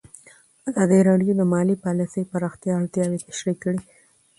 ازادي راډیو د مالي پالیسي د پراختیا اړتیاوې تشریح کړي.